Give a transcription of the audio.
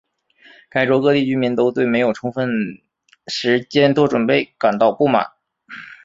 该州各地居民都对没有充分时间做准备感到不满。